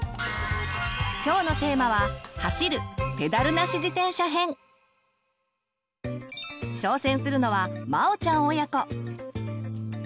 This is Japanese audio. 今日のテーマは挑戦するのはまおちゃん親子。